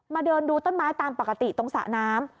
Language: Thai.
เดินดูต้นไม้ตามปกติตรงสระน้ำ